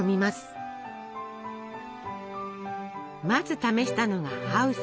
まず試したのが「ハウス」。